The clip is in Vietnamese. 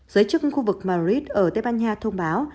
giới chức khu vực madrid ở tây ban nha thông báo